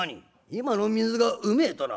今の水がうめえとな？